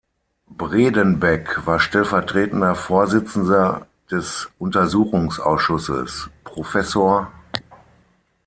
Bredenbeck war stellvertretender Vorsitzender des Untersuchungsausschusses „Prof.